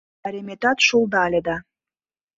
Пайреметат шулдале да.